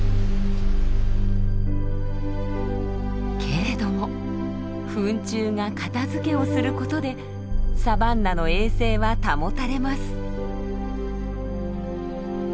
けれどもフン虫が片づけをすることでサバンナの衛生は保たれます。